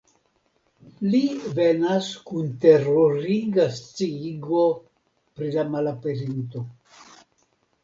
Li venas kun teruriga sciigo pri la malaperinto.